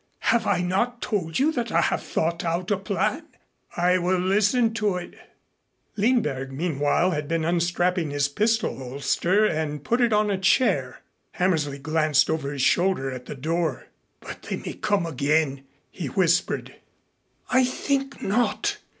Have I not told you that I have thought out a plan?" "I will listen to it." Lindberg meanwhile had been unstrapping his pistol holster and put it on a chair. Hammersley glanced over his shoulder at the door. "But they may come again," he whispered. "I think not.